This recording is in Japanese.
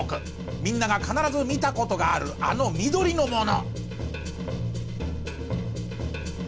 みんなが必ず見た事があるあの緑のもの。